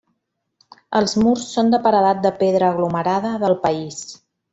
Els murs són de paredat de pedra aglomerada del país.